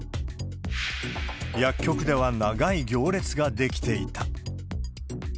薬局では長い行列が出来ていた。